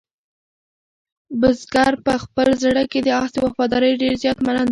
بزګر په خپل زړه کې د آس د وفادارۍ ډېر زیات منندوی و.